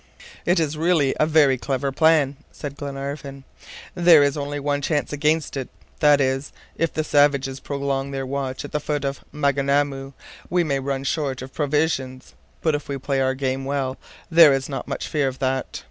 "It is really a very clever plan," said Glenarvan. "There is only one chance against it; that is, if the savages prolong their watch at the foot of Maunganamu, we may run short of provisions. But if we play our game well there is not much fear of that."